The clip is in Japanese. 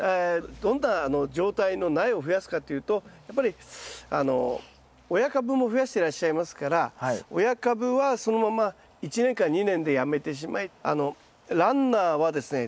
どんな状態の苗を増やすかというとやっぱり親株も増やしてらっしゃいますから親株はそのまま１年か２年でやめてしまいランナーはですね